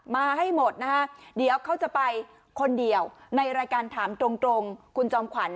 มาให้หมดนะฮะเดี๋ยวเขาจะไปคนเดียวในรายการถามตรงคุณจอมขวัญ